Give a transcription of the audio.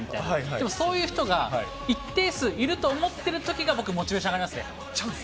でも、そういう人が一定数いると思ってるときが僕、モチベーション上がチャンス？